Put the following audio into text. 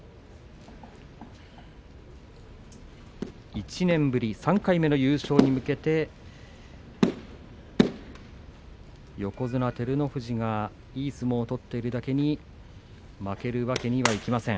１年ぶり３回目の優勝に向けて横綱照ノ富士がいい相撲を取っているだけに負けるわけにはいきません。